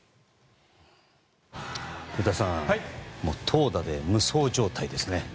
古田さん投打で無双状態ですね。